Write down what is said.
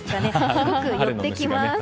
すごく寄ってきます。